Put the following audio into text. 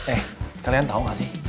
eh kalian tau gak sih